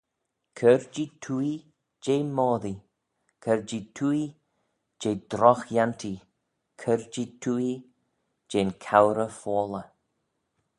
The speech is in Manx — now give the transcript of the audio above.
Cur-jee twoaie jeh moddee, cur-jee twoaie jeh drogh-yantee, cur-jee twoaie jeh'n cowrey-foalley.